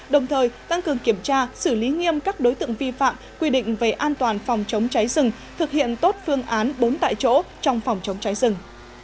đồng thời tăng cường kiểm tra xử lý nghiêm các đối tượng vi phạm quy định về an toàn phòng chống cháy rừng thực hiện tốt phương án bốn tại chỗ trong phòng chống cháy rừng